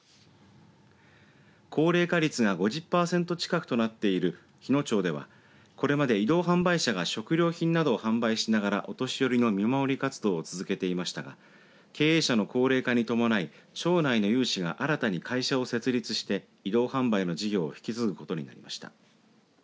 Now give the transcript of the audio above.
高齢化率が５０パーセント近くとなっている日野町ではこれまで移動販売車が食料品などを販売しながらお年寄りの見守り活動を続けていましたが経営者の高齢化に伴い町内の有志が新たに会社を設立して移動販売の事業を引き継ぐことになりました。